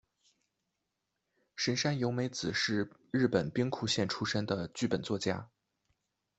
神山由美子是日本兵库县出身的剧本作家。